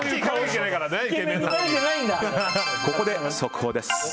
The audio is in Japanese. ここで速報です。